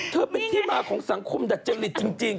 เป็นที่มาของสังคมดัจจริตจริง